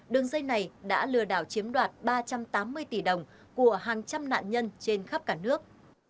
đường dây này đã lừa đảo chiếm đoạt ba trăm tám mươi tỷ đồng của hàng trăm nạn nhân trên khắp cả nước